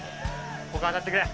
ほか当たってくれ。